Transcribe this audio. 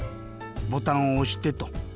ボタンをおしてと。